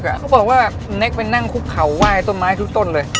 เขาบอกว่าเขาเคยไปนั่งคูอยกเขาว่ายต้นไม้ทุกต้นเลย